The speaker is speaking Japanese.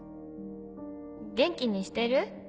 「元気にしてる？